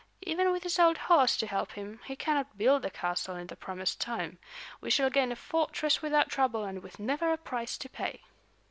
"Even with his old horse to help him, he cannot build the castle in the promised time. We shall gain a fortress without trouble and with never a price to pay."